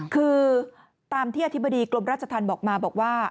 คือตามที่อธิบดีกรมราชธรรมบอกมาบอกว่า